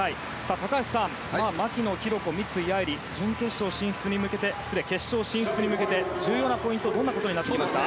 高橋さん牧野紘子、三井愛梨は決勝進出に向けて重要なポイントはどんなことになってきますか？